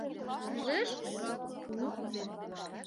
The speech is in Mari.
Кӱлеш... пу!